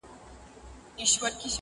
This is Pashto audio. دا جلادان ستا له زاریو سره کار نه لري!!